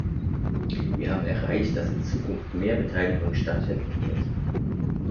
Wir haben erreicht, dass in Zukunft mehr Beteiligung stattfinden wird.